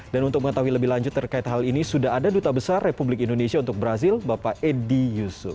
untuk mengetahui lebih lanjut terkait hal ini sudah ada duta besar republik indonesia untuk brazil bapak edi yusuf